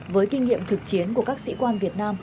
với kinh nghiệm thực chiến của các sĩ quan việt nam